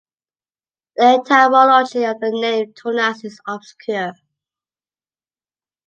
The etymology of the name Tunas is obscure.